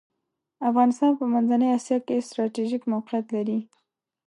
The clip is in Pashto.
افغانستان په منځنۍ اسیا کې ستراتیژیک موقیعت لری .